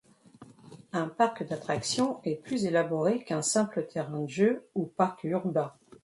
Un parc d'attractions est plus élaboré qu'un simple terrain de jeux ou parc urbain.